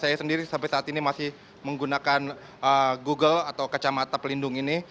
saya sendiri sampai saat ini masih menggunakan google atau kacamata pelindung ini